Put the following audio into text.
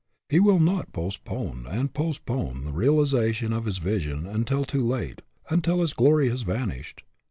He will not postpone and post pone the realization of his vision until too late, until its glory has vanished.